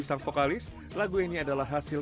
sang vokalis lagu ini adalah hasil